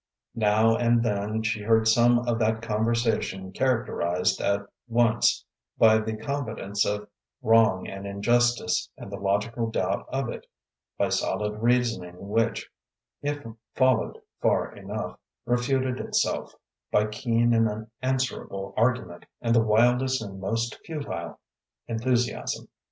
Now and then she heard some of that conversation characterized at once by the confidence of wrong and injustice, and the logical doubt of it, by solid reasoning which, if followed far enough, refuted itself, by keen and unanswerable argument, and the wildest and most futile enthusiasm.